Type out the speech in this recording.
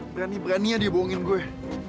berani beraninya dia bohongin gue